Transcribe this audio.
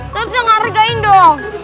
saya harus ngargain dong